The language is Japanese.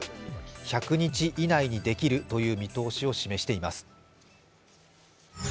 １００日以内にできるという見通しを示しています。